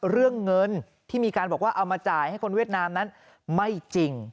เรื่องเงินที่มีการบอกว่าเอามาจ่ายให้คนเวียดนามนั้นไม่จริง